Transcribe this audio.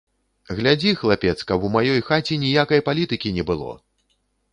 Глядзі, хлапец, каб у маёй хаце ніякай палітыкі не было!